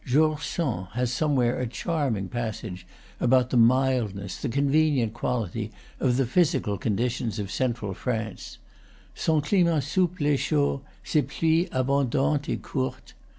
George Sand has somewhere a charm ing passage about the mildness, the convenient quality, of the physical conditions of central France, "son climat souple et chaud, ses pluies abondantes et courtes."